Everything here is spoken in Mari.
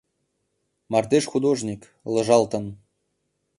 Мардеж-художник, ылыжалтын